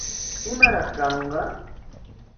¿Imaraq kanqa?